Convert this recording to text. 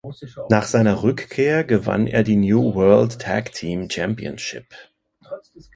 Nach seiner Rückkehr gewann er die New World Tag Team Championship.